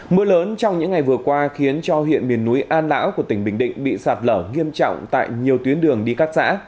mưa lớn trong những ngày vừa qua khiến cho huyện miền núi an lão của tỉnh bình định bị sạt lở nghiêm trọng tại nhiều tuyến đường đi các xã